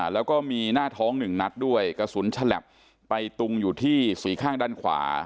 แล้วก็มีหน้าท้องหนึ่งนัดด้วยกระสุนฉลับไปตุงอยู่ที่สี่ข้างด้านขวา